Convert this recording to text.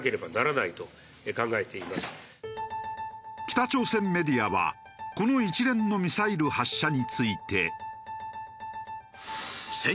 北朝鮮メディアはこの一連のミサイル発射について。